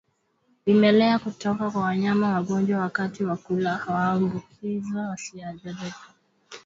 Vimelea kutoka kwa wanyama wagonjwa wakati wa kula huwaambukiza wasioathirika